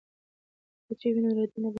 که بیټرۍ وي نو راډیو نه بندیږي.